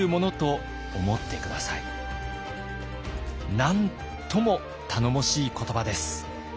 なんとも頼もしい言葉です。